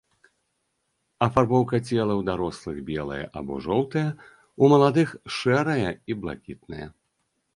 Афарбоўка цела ў дарослых белая або жоўтая, у маладых шэрая і блакітная.